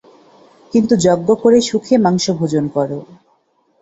কিন্তু যজ্ঞ করে সুখে মাংস ভোজন কর।